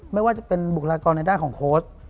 ไม่ว่าจะเป็นบุคลากรในด้านของโค้ด